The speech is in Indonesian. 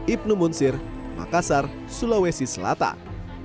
ibnu munsir makassar sulawesi selatan